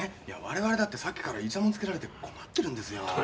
いや我々だってさっきからイチャモンつけられて困ってるんですよ。